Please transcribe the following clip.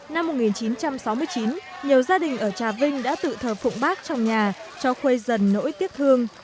năm một nghìn chín trăm sáu mươi chín nhiều gia đình ở trà vinh đã tự thờ phụng bác trong nhà cho khuây dần nỗi tiếc thương